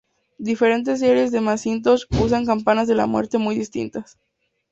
Diferentes series de Macintosh usan campanas de la muerte muy distintas.